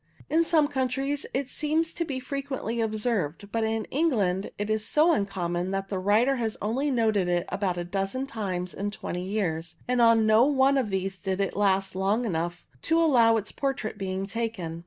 In some countries it seems to be frequently observed, but in England it is so uncommon that the writer has only noted it about a dozen times in twenty years, and on no one of these did it last long enough to allow of its portrait being taken.